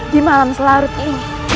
di malam selarut ini